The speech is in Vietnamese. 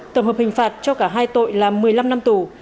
tổng hợp hình phạt cho cả hai tội là một mươi năm năm tù